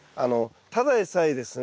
ただでさえですね